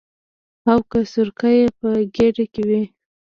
او که سرکه یې په ګېډه کې وي.